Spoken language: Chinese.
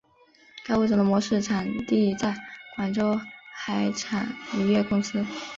该物种的模式产地在广州海产渔业公司。